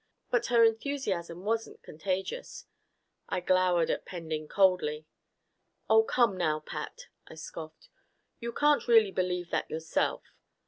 But her enthusiasm wasn't contagious. I glowered at Pending coldly. "Oh, come now, Pat!" I scoffed. "You can't really believe that yourself.